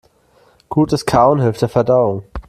Gutes Kauen hilft der Verdauung.